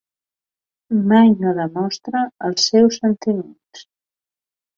Mai no demostra els seus sentiments.